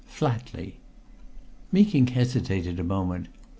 "Flatly!" Meeking hesitated a moment.